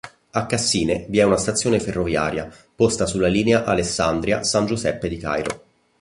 A Cassine vi è una stazione ferroviaria, posta sulla linea Alessandria-San Giuseppe di Cairo.